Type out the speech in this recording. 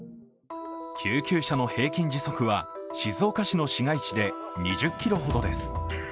救急車の平均時速は静岡市の市街地で２０ｋｍほどです。